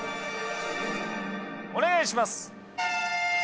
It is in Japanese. お願いします！